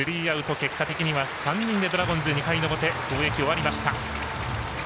結果的には３人でドラゴンズ２回の表、攻撃を終えました。